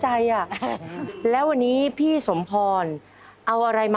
สวัสดีครับ